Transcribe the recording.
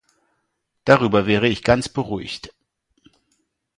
Darüber wäre ich ganz beruhigt.